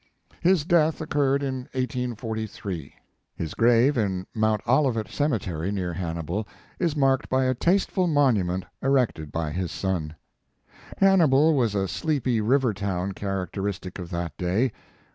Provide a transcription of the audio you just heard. His death occurred in 1843. His grave in Mount Olivet cemetery, near Hannibal, is marked by a tasteful monument erected by his son. Hannibal was a sleepy river town characteristic of that day.